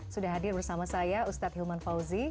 sudah hadir bersama saya ustadz hilman fauzi